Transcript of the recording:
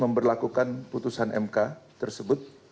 memperlakukan putusan mk tersebut